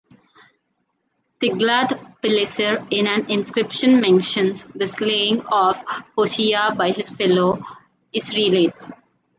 Tiglath-Pileser in an inscription mentions the slaying of Hoshea by his fellow Israelites.